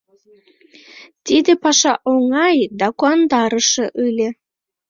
Тиде паша оҥай да куандарыше ыле.